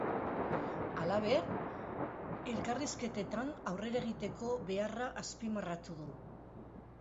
Halaber, elkarrizketetan aurrera egiteko beharra azpimarratu du.